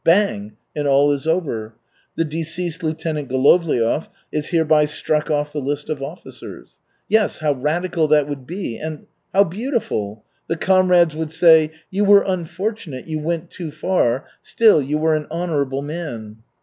Bang! And all is over. The deceased Lieutenant Golovliov is hereby struck off the list of officers. Yes, how radical that would be and how beautiful! The comrades would say, "You were unfortunate, you went too far, still you were an honorable man."